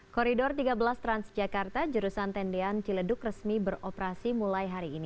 koridor tiga belas transjakarta jurusan tendean ciledug resmi beroperasi mulai hari ini